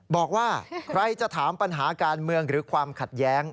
บอกว่าใครจะถามปัญหาการเมืองหรือความขัดแย้ง